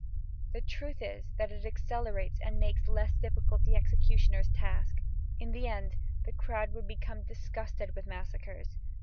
The truth is that it accelerates and makes less difficult the executioner's task. In the end the crowd would become disgusted with massacres.